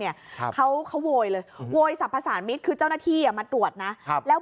ครับเขาเขาโวยเลยโวยสรรพสารมิตรคือเจ้าหน้าที่อ่ะมาตรวจนะครับแล้ว